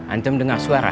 antum dengar suara